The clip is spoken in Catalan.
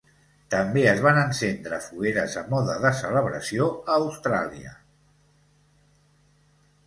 També es van encendre fogueres a mode de celebració a Austràlia.